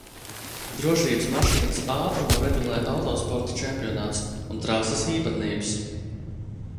Drošības mašīnas ātrumu regulē autosporta čempionāts un trases īpatnības.